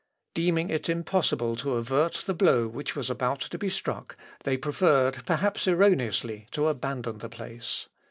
Deeming it impossible to avert the blow which was about to be struck, they preferred, perhaps erroneously, to abandon the place.